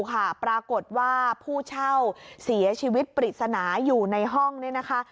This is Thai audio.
ปรากฏว่าผู้เช่าเสียชีวิตปริศนาอยู่ในห้องเนี่ยนะคะ